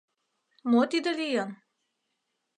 «Мо тиде лийын?